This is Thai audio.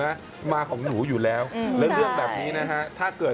เห็นไหมมาของหนูอยู่แล้วเรื่องแบบนี้นะฮะ